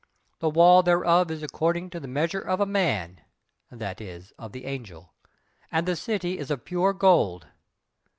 The wall thereof is according to the measure of a man that is, of the Angel. And the city is of pure gold.'